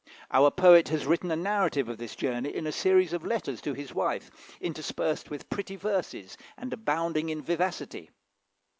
Our poet has written a narrative of this journey in a series of letters to his wife, interspersed with pretty verses, and abounding in vivacity.